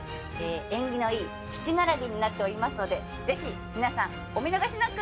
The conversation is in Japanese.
縁起のいい七並びになっておりますのでぜひ皆さんお見逃しなく！